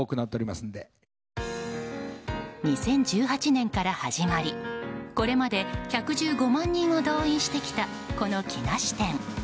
２０１８年から始まりこれまで１１５万人を動員してきた、この「木梨展」。